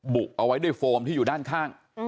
เอาไว้ด้วยโฟมที่อยู่ด้านข้าง